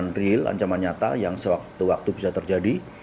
ancaman real ancaman nyata yang sewaktu waktu bisa terjadi